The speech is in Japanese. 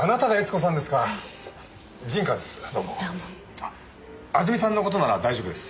あずみさんの事なら大丈夫です。